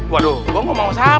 waduh gue mau mau siapa tadi dong